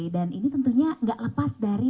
dan ini tentunya gak lepas dari